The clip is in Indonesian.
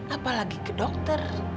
apalagi ke dokter